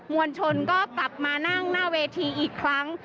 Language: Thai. วลชนก็กลับมานั่งหน้าเวทีอีกครั้ง